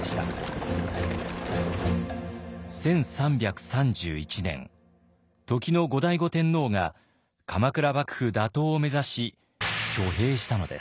１３３１年時の後醍醐天皇が鎌倉幕府打倒を目指し挙兵したのです。